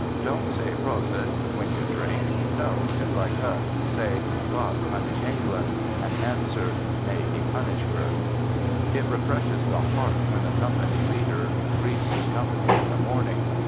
Don't say, "Prosit," when you drink; no, do like us, say, "God punish England !" and answer, " May He punish her! " It refreshes the heaxt, when the company leader greets his company in the morning.